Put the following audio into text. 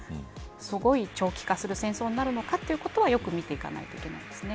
すごい長期化する戦争になるのかということはよく見ていかないといけないですね。